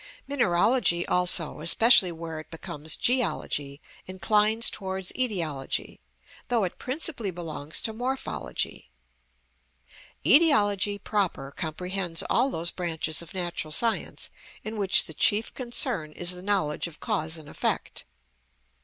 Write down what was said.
Mineralogy also, especially where it becomes geology, inclines towards etiology, though it principally belongs to morphology. Etiology proper comprehends all those branches of natural science in which the chief concern is the knowledge of cause and effect.